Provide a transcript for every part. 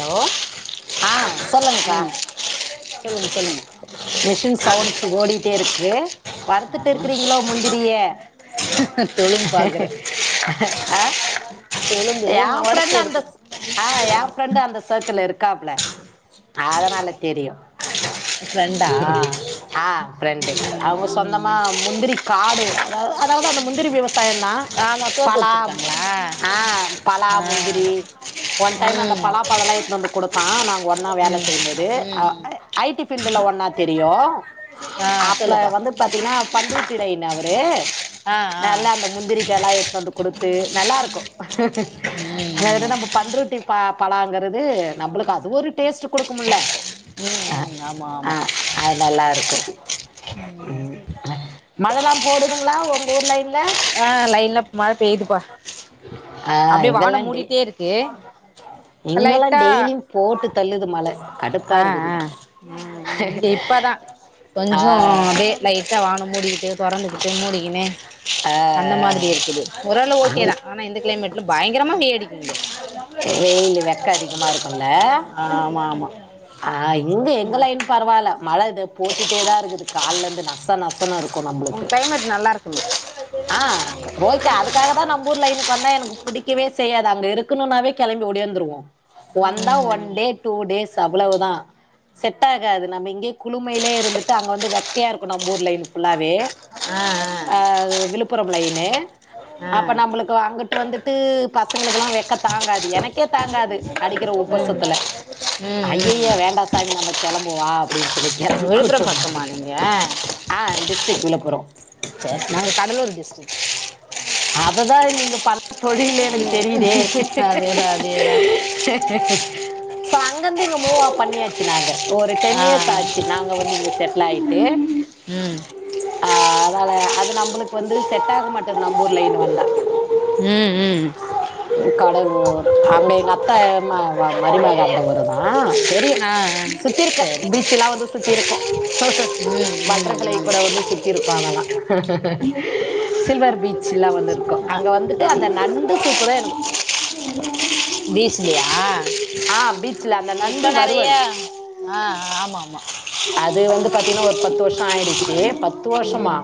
Hello ஆ சொல்லுங்க்கா ம் சொல்லுங்க சொல்லுங்க மிஷின் சவுண்ட்ஸ் ஓடிட்டே இருக்கு வறுத்துட்டு இருக்கிறீங்களோ முந்திரிய ஆ தொழும்பு பாக்குறே ஆ தெலுங்கு எ ஒடச்சு ஃபிரண்டு அந்த எடுக்கணு ஸ் எ பிரண்டு அந்த சர்க்கிள்ல இருக்காப்ல அதனால தெரியு ஃப்ரெண்டா ஹ்ஹ் ஆ ஃபிரெண்டு அவுங்க சொந்தமா ம் முந்திரி காடு அத அதாவது அந்த முந்திரி விவசா வசாயம் தான் ஆமா தோப்பு பலா வச்சிருக்காங்களா அ பலா ஆ முந்திரி ஒன் டைம் அந்த ம் பலா பழம் எல்லா எடுத்துட்டு வந்து கொடுத்தான் நாங்க ஒன்னா வேல ம் செய்யும்போது அ ம் எ ஐ டி ஃபீல்டுல ஒன்னா தெரியும் ஆ அப்ல சொல்லுப்பா வந்து பாத்தீங்கன்னா பண்ருட்டி லைன் அவரு ஆ ஆ நல்லா அந்த முந்திரிக்கால்லா எத்ன்னு வந்து குடுத்து நல்லாருக்கு ம் வேற ம் நம்பப் பா பழாங்குறது நம்ப்ளுக்கு அது ஒரு டேஸ்ட்டு குடுக்குமுல்ல ம் ஆ ம் ஆமா ஆ ஆமா அது நல்லாருக்கு ம். மழல்லா போடுதுங்ளா ஒங் ஊர் லைன்ல ஆ லைன்ல மழ பெய்யிதுப்பா ஆ அப்டே வானோ இங்கெல்லா டெ மூடிட்டேருக்கு இங்கெல்லா லைட்டா டெய்லியு போட்டு தள்ளுது மழ கடுப்பா ஆ இருக்குது ஆ ம் இங்க இப்பதா ஆ கொஞ்சோ அதே லைட்டா வானோ மூடிக்கிட்டு தொறந்துக்கிட்டு மூடிக்கினு ஆ அந்த மாதிரி ஆ இருக்குது ஒரளவு ஓகே தா ஆனா இந்த கிளைமேட்ல பயங்கரமா வேர்க் வெய்யிலு வெக்க அதிகமா இருக்கும்ல ஆமா ஆமா ஆ இங்க எங்க ஆமா லைன்னு பரவாயில்ல மழ இது போட்டுட்டேதா இருக்குது கால்லேந்து நச நச னு இருக்கு உங்க நம்பளுக்கு கிளைமேட் நல்லா இருக்குங்க ஆ ஓகே அதுக் காக தா நம்புர் லைன்க்கு வந்தா எனக்கு புடிக்கவே செய்யாது அங்க இருக்கணுனாவே கெளம்பி ஒடியாந்துருவோ வந்தா ம் ஒன் ம் டே டூ டேஸ் அவ்ளோவுதா செட் ஆகாது நம்ம இங்கேயே குளுமையிலேயே இருந்துட்டு அங்க வந்து வெக்கையா இருக்கு நம்புர் லைன்னு ஃபுல்லாவே ஆ ஆ ஆ அது விழுப்புர லைன்னூ ஆ அப்ப நம்புளுக்கு அங்குட்டு வந்துட்டு பசங்களுக்குல்லா வெக்க தாங்காது எனக்கே தாங்காது அடிக்கிற ம் உப்பஸத்துல ம் அய்யய்ய ம் வேண்டாசாமி நம்ப கெளம்பு வா அப்டின் சொ ல்லி கெளம்பி கூட்டு விழுப்புரம் வந்துருவோ பக்கமா நீங்க ஆ டிஸ்ட்ரிக் விழுப்புரோ [inaudible] நாங்க கடலூர் டிஸ்ட்ரிக் அததா நீங்க பண்ண தொழிலே எனக்கு தெரிதே அதேதா அதேதா சோ அங்கர்ந்து இங்க மூ ஆ பண்ணியாச்சி நாங்க ஒரு டென் ஆ இயர்ஸ் ஆச்சி நாங்க வந்து இங்க செட்லாய்ட்டு ம் ஆ அதால அது நம்புளுக்கு வந்து செட் ஆக மாட்டுத் நம்புர் லைன் வந்தா ம் ம் ம் கடலூர் அங்க எங்க அத்த மா மா மருமக அந்த ஊரு தா ஆ ஆ சுத்திருக்க சரி சரி பீச்சில்லா வந்து சுத்திருக்கோ ம் பட்டர்ஃப்ளை ம் கூட ம் வந்து சுத்திருக் கோ அதெல்லா சில்வர் பீச்சில்லா வந்துருக்கோ அ அங்க வந்துட்டு அந்த நண்டு சூப் புதயணுக்கு பீஷ்லியா ஆ பீச்ல அந்த இப்ப நண்டு நெறய வறுவல் ஆ ஆ ஆமா ஆமா அது வந்து பாத்திங்ன்னா ஒரு பத்து வர்ஷோ ஆய்டிச்சி பத்து ம் வர்ஷோமா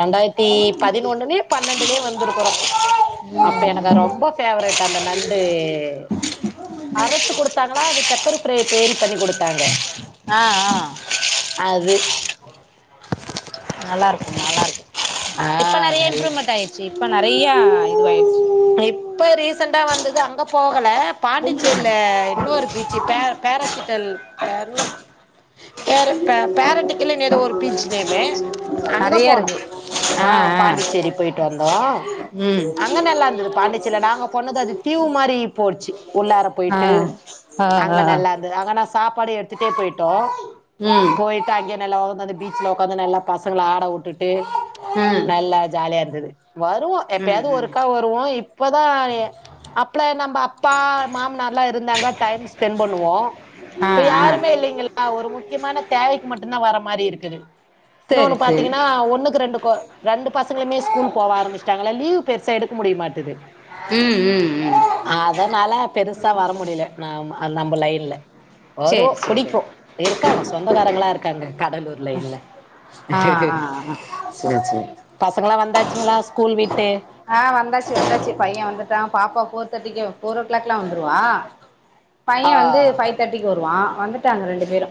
ரெண்டாய்ர்த்தி பதினொன்னுலயோ பன்னண்டுலியோ வந்துருக்குறோ ம் அப்ப எனக்கு அது ம் ரொம்ப ஃபேவரட் அந்த நண்டூ அறத்து குடுத்தாங்ளா அது பெப்பர் ஃப்ரே பேரி பண்ணிக் குடுத்தாங்க ஆ ஆ அது நல்லாருக்கு நல்லாருக்கு ஆ இப்ப நெறய நல்ல இம்ப்ரூவ்மண்ட் ஆய்ட்ச்சி இப்ப நெறய இதுவய்ட்ச்சி இப்ப ரீசண்டா வந்தது அங்க போகல பாண்டிச்சேர்ல இன்னொரு பீச்சு பேர பேரசிட்டல் பேற்ணு வேற பேர் பேரட்டிக்கில்லுன் ஏதோ ஒரு பீச்சு நேமு அங்க நெறைய போனோ இருக்கு ஆ பாண்டிச்சேரி போயிட்டு வந்தோ அங் ம் அங்க நல்லார்ந்துது பாண்டிச்சேர்ல நாங்க போனது அது தீவு மாரி போட்சு உள்ளார ஆ போய்ட்டு ஆ அங்க ஆ நல்லார்ந்து அங்க நா சாப்பாடு எடுத்துட்டே போய்ட்டோ ம் போட்டு அங்க நல்ல உக்காந்து பீச்சுல உக்காந்து நல்ல பசங்ள ஆட வுட்டுட்டு ம் நல்லா ஜாலியா இருந்தது வருவோ ம் எப்பயாவது ம் ஒருக்கா ஒர் வோ இப்பதா எ அப்லே நம்ம அப்பா மாமனார் ல்லா இருந்தாங்க டைம் ஸ்பெண்ட் பண்ணுவோ ஆ இப்ப ஆ யாருமே இல்லையங் ஆ ஒரு முக்கியமான தேவைக்கு மட்டுதா வர மாரி இருக்குது சரி இன்னொன்னு சரி பாத்தீங்கன்னா ஒன்னுக்கு ரெண்டு கொ ரெண்டு பசங்களுமே ஸ்கூல் போவ ஆரம்பிச்சிட்டாங்கள லீவ் பெர்சா எடுக்க முடிய மாட்டுது ம் ம் ம் அதனால பெருசா வர முடில ந நம்ப லைன்ல வருவோ சரி சரி புடிக்கோ இருக்காங்க சொந்தக்காரங்களா இருக்காங்க கடலூர்ல இல்ல ஆ ஆ ஆ பசங்ளா வந்தாச்சிங்ளா ஸ்கூல் விட்டு ஆ வந்தாச்சி வந்தாச்சி பைய வந்துட்டா பாப்பா போத் தேட்டிக்கே ஃபோரோ க்ளாக்லா வந்துருவா பைய ஆ வந்து ஃபை தாட்டிக்கு வருவா வந்துட்டாங்க ரெண்டு பேரு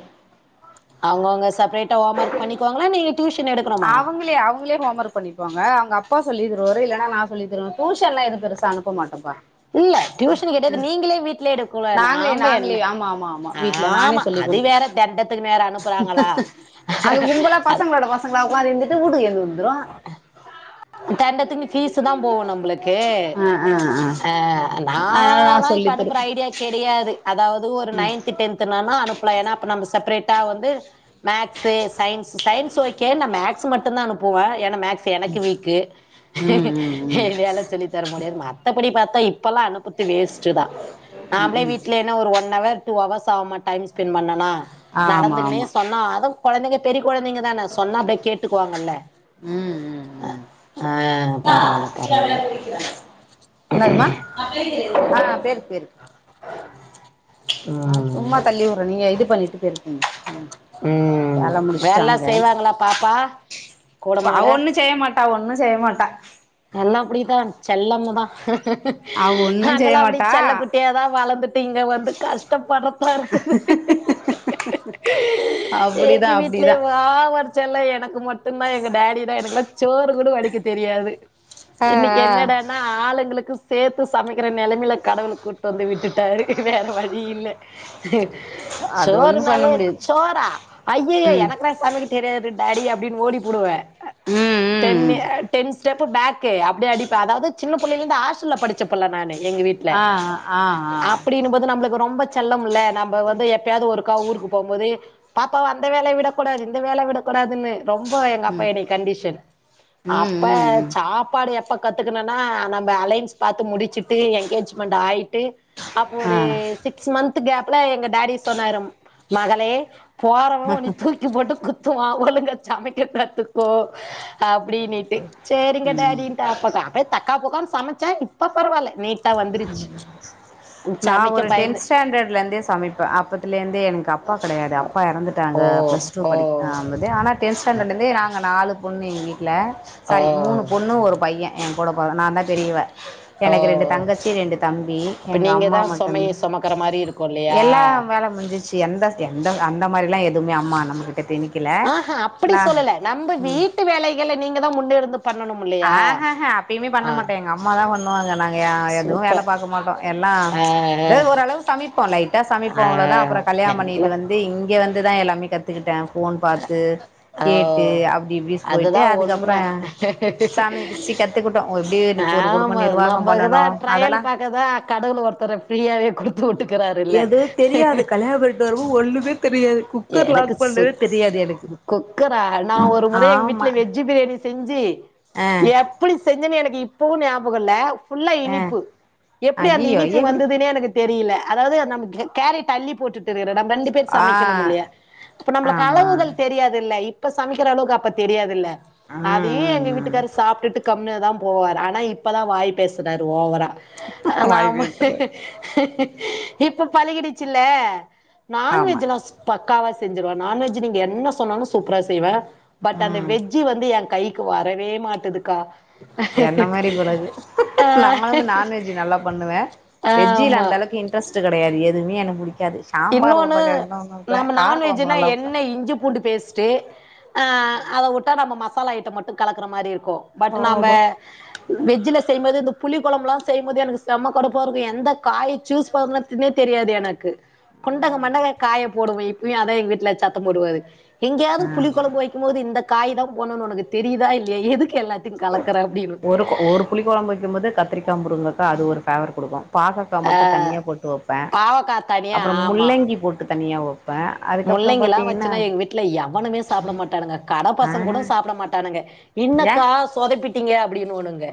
அவுங்கவுங்க செப்ரேட்டா ஹோம் ஒர்க் பண்ணிக்வாங்களா நீங்க டுயூஷன் எடுக்கனம் அவுங்ளே அவுங்ளே ஹோம் ஒர்க் பண்ணிப்பாங்க அவுங்க அப்பா சொல்லித் தருவாரு இல்லன்னா நா சொல்லி தருவ டுயூஷன்ல்லா எது பெருசா அனுப்ப மாட்டோப்பா இல்ல டியூஷன் கிடையாது நீங்களே வீட்லயே எடுக்கல நாங்ளே நாம நாங்ளே என்ன ஆமா ஆமா ஆமா வீட்ல நானே ஆமா சொல்லி அது குடுப்பே வேற தண்டத்துக்கு வேற அனுப்புறாங்களா அது கும்பல அது பசங்களோட பச ங்ளா உக்காந்துந்துட்டு ஊட்டுக்கு ஏந்து வந்துரு தண்டத்துக்குனு ஃபீசுதா போகு நம்ளுக்கு அ அ அ ஆ நாலா இப்ப அனுப்புற ஐடியா கெடையாது அதாவது ஒரு நைன்த் டென் துனான அனுப்லா ஏனா நம்ம செப்ரேட்டா வந்து மேக்சு சயின்ஸ்சு சயின்ஸ்சு ஓகே நா மேக்ஸ் மட்டு தா அனுப்புவே ஏனா மேக்ஸ் சு எனக்கு வீக்கு ம் ம் ம் வேல சொல்லி தர முடியாது மத்தபடி பாத்தா இப்பெல்லா அனுப் புத்து வேஸ்டு தா ம் நாம்ளே ம் வீட்லே என்ன ஒரு ஒன் அவர் டூ அவர்ஸ் ஆகுமா டைம் ஸ்பெண்ட் பண்ணனா ஆமா நடந்துக்னே ஆமா சொன்னா அதக் கொழந்தைங்க பெரி கொழந்தைங்க தானே சொன்னா அப்டியே கேட்டுக்குவாங்கல்ல ம் ம் அ ஆ பரவால்ல பரவால்ல ம் என்னதுமா [unintelligible] ஆ பேரு பேரு நா ம் சும்மா தள்ளி வுடுறே நீ இது பண்ணிட்டு போயிர் ம் ம் ம் வேல வேலல்லா முடிச்ட்டாங்க செய்வாங்களா பாப்பா அவ கூடமாட ஒன்னு செய்ய மாட்டா ஒன்னு செய்ய மாட்டா நம்ம அப்டிதா செல்லம்னுதா அவ ஒன்னும் செய்ய நாங்கெல்லா அப்டி மாட்டா செல்ல குட்டிய தா வளந்துட்டு இங்க வந்து கஷ்டப்படுற ப்பா இருக்குது எங்க அப்டிதான் வீட்லே அப்டிதான் வா வந் செல்லோ எனக்கு மட்டுதா எங்க டாடி தா எனக்கெல்லா சோறு கூட வடிக்க தெரியாது ஆ இன்னைக்கி என்னடானா ஆளுங்களுக்கு சேத்து சமைக்கிற நிலைமையில கடவுள் கூட்டு வந்து விட்டுட்டாரு வேற வழி இல்ல ஆ அது ஒன்னும் பண்ண சோறுனாவே முடியாது ச்சோறா அய்யய்ய ம் எனக்லா சமைக்க தெரியாது டாடி அப்படின் ஓடி புடுவ ம் டென் ம் எ டென் ஸ்டெப் பு பேக்கு அப்டியே அடிப்ப அதாவது சின்ன புள்ளைல இருந்து ஆஸ்டல்ல படிச்சப்புள்ள நானு எங்க வீட் ல ஆ ஆ ஆ அப்டின்னு போது நம்ல ரொம்ப செல்லம்ல்ல நம்ம வந்து எப்பயாவது ஒருக்கா ஊருக்கு போம் போது பாப்பாவ அந்த வேல விடக்கூடாது இந்த வேல விடக்கூடாதுன்னு ரொம்ப எங்க அப்பா ம் என்னைய கண்டிஷன் ம் அப்ப ம் ம் சாப்பாடு எப்ப கத்துக்கணனா நம்ம அலைன்ஸ் பாத்து முடிச்சுட்டு எங்கேஜ்மெண்ட் ஆய்ட்டு அப்போ ஆ ஒரு சிக்ஸ் மந்த் கேப்ல எங்க டாடி சொன்னாரு மகளே போறவ ஒன தூக்கி க்கி போட்டு குத்துவா ஒழுங்க சமைக்க கத்துக்கோ அப்படின்னுட்டு சரிங்க ம் டாடின்ட்டு அப்பாக்கா அப்ப தக்கா பக்கான்னு சமைச்ச இப்ப பரவால்ல நீட் [inaudible] நான் ஒரு பயந்து டென்த் ஸ்டாண்டர்ட்லருந்தே சமைப்பே அப்பத்துலருந்தே எனக்கு அப்பா கெடையாது அப் அப்பா இறந்துட்டாங்க ஓ பிளஸ் டூ ஓ படிக்க ஆம்பித் ஆனா டென்த் ஸ்டாண்டர்ட்ல இருந்து நாங்க நாலு பொண்ணு எங்க வீட்ல ஓ சாரி மூணு பொண்ணு ஒரு பைய என் கூட பொற நா தா பெரியவ ஓ எனக்கு ரெண்டு தங்கச்சி ரெண்டு தம்பி அப்ப எங்க நீங்க அம்மா தா சுமைய மட்டு்தா சுமக்கற மாரி இருக்கு இல்லையா எல்லா வேலை முஞ்சுச் சு எந்த எந்த அந்த மாரிலா எதுமே அம்மா அனுபவி ஆ ஹா அப்டி சொல்லல நம்ம வீட்டு வேலைகள நீங்க தா முன்ன இருந்து பண்ணணும் இல்லையா ஆஹா ஹா அப்பயுமே ஆ பண்ணமாட்டே எங்க அம்மாதா பண்ணுவாங்க நாங்க எதுவு வேல சூப்பர் பாக்க மாட்டோ எல்லா ஆ அப்டியே ஓரளவு சமைப்போ லைட்டா சமைப்போ ஆ அவ்ளோதா அப்ற கல்யாண எனக்குல பண்ணிகிட்டு வந்து து இங்க வந்துதா எல்லாமே கத்துக்கிட்ட ஃபோன் பாத்து ஓ கேட்டு அப்டி இப்டி போய்ட்டு அதுதா உண்ம அதுக்கப்பற சாம கிச்சி கத்துக்கிட்டோ எப்டி எனக்கு ஒரு குடும்ப ஆமா நிர்வாக நம்மக்குதா பண்ணணு அதெல்லா ட்ரையல் பாக்கதா கடவுள் ஒருத்தர ஃப்ரீயாவே குடுத்து உட்டுக்கறாருல்ல தெரு ஒன்னுமே தெரியாது குக்கர் எனக்கு லாக் பண்ணவே சுக் தெரியாது எனக்கு குக்கரா நான் ஒரு முறை எங்க ஆமா வீட்ல வெஜ்ஜு பிரியாணி செஞ்சு ஆ எப்டி செஞ்சன்னு எனக்கு இப்பவு ஞாபக இல்ல ஃபுல்லா ஆ இனிப்பு எப்டி அந்த ஐயயோ இனிப்பு எப்டி வந்ததுன்னே எனக்கு தெரியல அதாவது நம்ம கேரட் அள்ளி போட்டுட்டு இருக்க நம்ம ரெண்டு பேர் ஆ சமைக் கணும் இல்லையா இப்ப நம்மளுக்கு ஆமா அளவுகள் தெரியாது இல்ல இப்ப சமைக்கிற அளவுக்கு அப்ப தெரியாதுல்ல ம் அதையு ம் எங்க ம் வீட்டுக்காரு சாப்ட்டுட்டு கம்னுதா போவார் ஆனா இப்பதா வாய் பேசுறாரு ஓவரா வாய் நாம பேசுறே இப்ப பழிகிடுச்சுல்ல ஆமா நான்வெஜ்லா பக்காவா செஞ்சிருவ நான்வெஜ் நீங்க என்ன சொன்னாலு சூப்பரா செய்வ பட் அந்த ம் வெஜ்ஜூ வந்து என் கைக் க்கு வரவே மாட்டுதுக்கா என்ன மாரி கூடாது ஆ நாங்களுமே நான்வெஜ் நல்லா பண்ணுவ வெஜ்ஜூல ஆமா அந்த அளவுக்கு இண்ட்ரெஸ்ட் கிடையாது எதுவுமே எனக்கு புடிக்காது சாம்பார் இன்னொன்னு உருளக்கெழங்குனா நல்லா வெப்பே நம்ம கார கொழம்பு நான்வெஜ்னா நல்லா வெப்பே என்ன இஞ்சி பூண்டு பேஸ்ட் டு அத உட்டா நம்ம மசாலா ஐட்டம் மட்டு கலக்கற மாரி இருக்கு பட் நம்ப வெஜ்ல செய்யுபோது இந்த புளி கொழம்புலா செய்யுபோது எனக்கு செம்ம கடுப்பா இருக்கு எந்த காய சூஸ் பண்ணத் தே தெரியாது எனக்கு குண்டக மண்டக காய போடுவே இப்பயு அதா எங்க வீட்ல சத்த போடுவாரு எங்கேயாவது புளி கொழம்பு வக் கு போது இந்த காய் தா போட்னுன் உனக்கு தெரியுதா இல்லயா எதுக்கு எல்லாத்தையு கலக்குற அப்டின்னுவா புளிக்க கொழம்பு வைக்கும்போது கத்திரிக்கா முருங்கக்கா அது ஒரு ஃபவர் குடுக்கு பாகக்கா ஆ மட்டு தனியா போட்டு வப்பே பாவக்கா தனியா அப்புறோ முள்ளங்கி போட்டு தனியா வப் முள்ளங்கி எல்லா வச்சுன்னா எங்க வீட்ல எவனுமே சாப்பிட மாட்டானுங்க கட ஆ பசங்க கூட சாப்பிட மாட்டானுங்க ஏ இன்னக்கா சொதப்பிட்டீங்க அப்டின்னுவானுங்க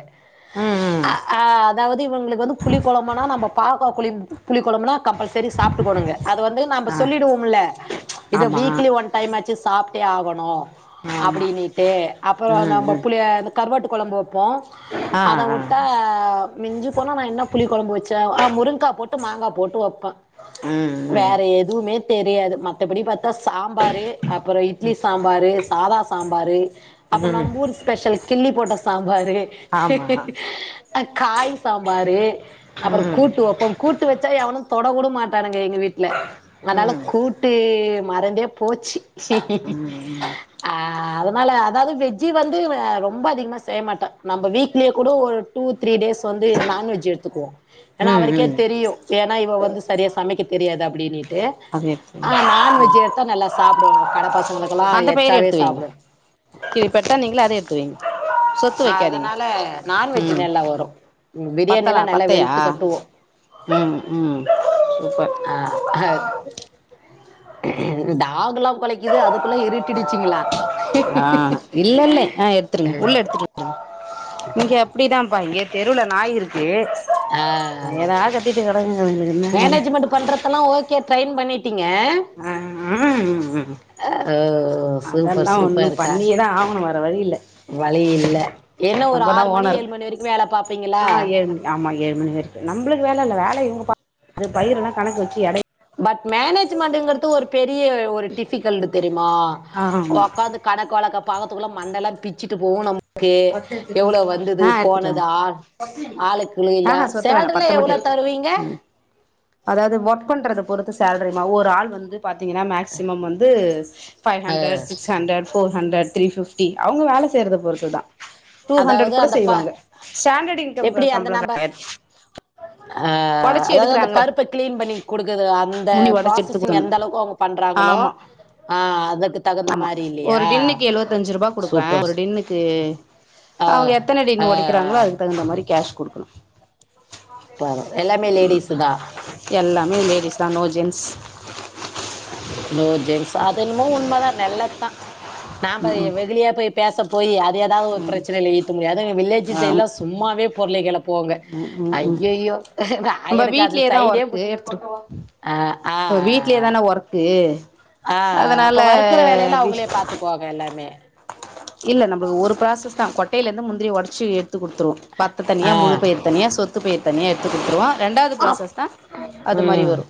ம் ம் அ ஆ அதாவது இவங்களுக்கு வந்து புளி கொழம்பனா நம்ப பாவக்கா புளிம் புளி கொழம்புனா கம்பல்சரி சாப்ட்டுக்குவானுங்க அத வந்து நம்ப ஆ சொல்லிடுவோம்ல ம்ச் இத ஆமா வீக்லி ஒன் டைம்மாச்சு சாப்ட்டே ஆகணு ஆமா அப்புடின்னுட்டு அப்புறோ ம் நம்ம ம் புளிய அந்தக் கருவாட்டு கொழம்பு வப்போ ஆ அத ஆ வுட்டா மிஞ்சி போனா நா என்ன புளி கொழம்பு வச்சே ஆ முருங்கா போட்டு மாங்கா போட்டு வப்பே ம் வேற எதுவுமே தெரியாது மத் தபடி பாத்தா சாம்பாரு அப்பறோ இட்லி ம் சாம்பாரு சாதா சாம்பாரு அப்புறோ ம் நம்ப ஊர் ஸ்பெஷல் கில்லி போட்ட சாம்பாரு ஆமா ஆ காய் சாம்பாரு அப்பறோ ம் கூட்டு வப்பம் கூட்டு வச்சா எவனு தொடக்கூட மாட்டானுங்க எங்க வீட்ல அதனால ம் கூட்டு மறந்தே போச்சு ஆ அதனால அதாவது வெஜ்ஜி வந்து ஆ ரொம்ப அதிகமா செய்ய மாட்ட நம்ம வீட்லயே கூட ஒரு டூ த்ரீ டேஸ் வந்து நான்வெஜ் எடுத்துக்குவோ ஏன்னா ம் அவருக்கே ம் தெரியு ஏன்னா இவ வந்து சரியா சமைக்க தெரியாது அப்புடினீட் டு அது எடுத்து அ வைங்க நான்வெஜ் எடுத்தா நல்லா சாப்பிடுவாங்க கட பசங்களுக்கு எல்லா எச்சாவே சாப்பிடு கே இப்ப எடுத்தா நீங்களு அதே எடுத்து வீங் அதனால நான்வெஜ் நல்லா வரு ம் பிரியாணி பத்தலா எல்லா நல்லா பத்தையா வெளுத்து கட்டுவோ ம் ம் சூப்பர் ஆ அஹப் டாக் எல்லா கெலைக்குது அதுக்குள்ள இருட்டிடுச்சிங்களா ஆஹ இல்லல்லலை ஆ எடுத்துருங்க உள்ள எடுத்துட்டு ம் இங்க அப்படிதான்ப்பா இங்க தெருல நாய் இருக்கு ஆ அ ஏதாது கத் திட்டு கெடக்குதுங்க அவங்களுக்கு மேனேஜ்மெண்ட்டு பண்றதெல்லா ஓகே ட்ரைின் பண்ணிட்டீங்க ஆ ஆ ம் ம் ம் ஓ சூப்பர் அதெல்லா ஒன்னு சூப்பர்க்கா பண்ணியேதா ஆவணு வேற வழி இல்ல வழி இல்ல என்ன ஒரு நம்பதா ஆறு மணி ஓனர் ஏழு மணி வரைக்கு வேல பாப்பீங்களா ஆ ஏழு மணி ஆமா ஏழு மணி வரைக்கு நம்பளுக்கு வேல இல்ல வேல இவங்க பா இது பயிர் எல்லா கணக்கு வச்சு எடை பட் மேனேஜ்மெண்ட்டுங்கிறது ஒரு பெரிய ஒரு டிஃபிகல்ட்டு தெரியுமா ஆ ஆமா ஒக்காந்துட் கணக்கு வழக்க பாக்கத்துக்குள்ள மண்டலா பிச்சிட்டு போவு நம் கே ஆ எடுத்துட்டு எவ்ளோ வந்தது வாங்க போனது ஆ ஆளு கூலி எல்லா ஆஹா சொத்த வேணா சேல்ரிலா பத்த மட்டு எவ்ளோ எடுத்துட்டு வா தருவீங்க ம் அதாவது ஒர்க் பண்றத பொறுத்து சேல்ரிமா ஒரு ஆள் வந்து பாத்தீங்கன்னா மேக்சிமம் வந்து five uh hundred six hundred four hundred three fifty அவங்க வேல செய்றத பொறுத்து தா டூ ஹண்ட்ரட் அதாவது கூட அந்த ப செய்வாங்க ஸ்டாண்டர்ட் இன்கம் க சம்பள கெடையாத் அ அதாவது அந்த எடுக்கறாங்கல்ல பருப்ப கிளீன் பண்ணி கொடுக்குறது அந்த முந்தி ஒடச்சு எடுத்து ப்ராசஸிங் எந்த குடுக்கணு அளவுக்கு அவங்கோ பண்றாங்களோ ஆமா ஆ அதுக்கு தகுந்த ஆமா மாரி ஒரு இல்லையா டின்னுக்கு எழுவத்தஞ்சு ரூபா குடுப்பே சூப்பர் ஒரு சூ டின்னுக்கு ஆ அவங்க எத்தன ஆ ஆ டின்னு ஒடைக்கிறாங்களோ அதுக்கு தகுந்த மாரி கேஸ் குடுக்கணு தவர எல்லாமே லேடிஸு தா எல்லாமே லேடிஸ் தா நோ ஜென்ஸ் நோ ஜென்ஸ் அதென்மோ உண்மதா நெல்லத்தா நாம்ப வெகுளியா போய் பேச போய் அது எதாவ்து ஒரு ம் பிரச்சனைல ஈத்து முடியு அது எங்க வில்லேஜு ஆமா சைட்லா சும்மாவே பொர்ளிய கெளப் போங்க ம் ம் ம் ஐய்யய்யோ நம்ப வீட்லே தா ஒர்க்கு ஆ ஆ இப்போ ஆ வீட்லயே தானே ஒர்க்கு ஆ ஆ அதனால அப்ப வறுக்குற வேலையெல்லா வி அவுங்களே பாத்துக்குவாங்க எல்லாமே இல்ல நம்ளுக்கு ஒரு ப்ராசஸ் தா கொட்டைலந்து முந்திரிய ஒடச்சு எட்த்து குட்த்துருவோ பத்து தனியா ஆ முழு பயிர் தனியா சொத்து பயிர் தனியா எட்த்து குட்த்துருவோ ரெண்டாவ்து அப் ப்ராசஸ் தா அது மாரி வரு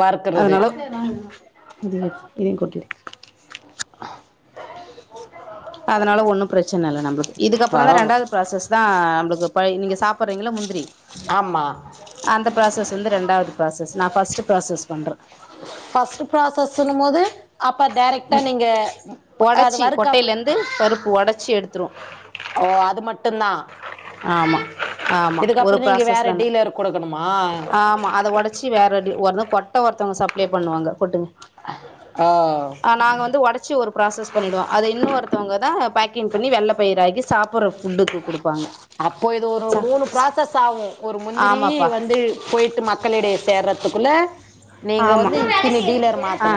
வறுக்குற அதனால அதனால ஒன்னு பிரச்சனயில்ல நம்ளுக்கு இதுக்கப்றோ தா பரவா ரெண்டாவ்து ப்ராசஸ் தா நம்ளுக்கு பழ நீங்க சா ப்பறீங்கள முந்திரி ஆமா அந்த ப்ராசஸ் வந்து ரெண்டாது ப்ராசஸ் நா ஃபர்ஸ்ட்டு ப்ராசஸ் பண்றே ஃபர்ஸ்ட்டு ப்ராசஸ்ஸுனு போது அப்ப டைரெக்டா ம் நீங்க அது ஒடச்சி வறுக்காம கொட்டைலந்து பருப்பு ஒடச்சி எடுத்துருவோ ஓ அது மட்டுந்தா ஆமா ஆமா ஒரு இதுக்கப்புறோ நீங்க ப்ராசஸ் வேற தான டீலருக்கு குடுக்கணுமா ஆமா அத ஒடச்சி வேற டி ஒர்னு கொட்ட ஒருத்தோங்க சப்ளை பண்ணுவாங்க ஓ ஆ நாங்க வந்து ஒடச்சி ஒரு ப்ராசஸ் பண்ணிடுவோ அத இன்னு ஒருத்தோங்க தா பேக்கிங் பண்ணி வெள்ள பயிராக்கி சாப்புற ஃபுட்டு அப்போ இது ஒரு மூணு ப்ராசஸ் ஆவு ஒரு முந்திரி ஆமாப்பா வந்து போயிட்டு ம க்களிடய சேர்றதுக்குள்ள நீங்க ஆமா வந்து இத்திணி டீலர் மாத்தணு ஆ